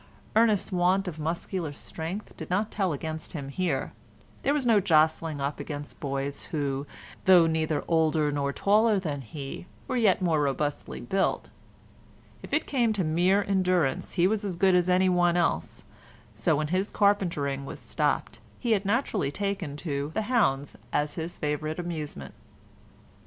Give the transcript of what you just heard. Ernest's want of muscular strength did not tell against him here; there was no jostling up against boys who, though neither older nor taller than he, were yet more robustly built; if it came to mere endurance he was as good as any one else, so when his carpentering was stopped he had naturally taken to "the hounds" as his favourite amusement.